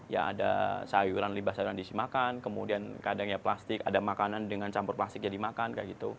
ya ada sayuran limbah sayuran diisi makan kemudian kadangnya plastik ada makanan dengan campur plastik yang dimakan